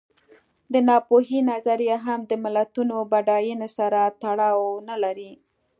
د ناپوهۍ نظریه هم د ملتونو بډاینې سره تړاو نه لري.